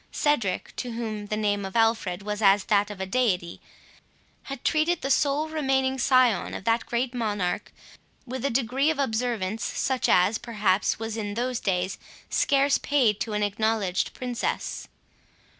Cedric, to whom the name of Alfred was as that of a deity, had treated the sole remaining scion of that great monarch with a degree of observance, such as, perhaps, was in those days scarce paid to an acknowledged princess.